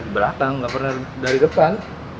belakang gak pernah dari depan